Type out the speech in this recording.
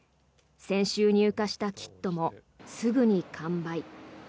先週入荷したキットもすぐに完売。